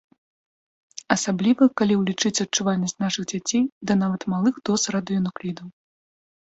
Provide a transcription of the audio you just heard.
Асабліва, калі ўлічыць адчувальнасць нашых дзяцей да нават малых доз радыенуклідаў.